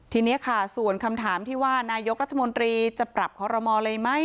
ทีนี้ค่ะส่วนคำถามที่ว่านายกรัฐมนตรีจะปรับคอรมอลเลยไหม